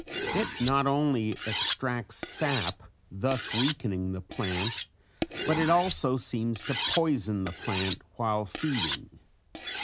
It not only extracts sap thus weakening the plant but it also seems to poison the plant while feeding.